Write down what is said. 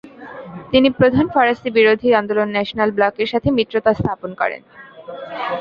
তিনি প্রধান ফরাসি বিরোধী আন্দোলন ন্যাশনাল ব্লকের সাথে মিত্রতা স্থাপন করেন।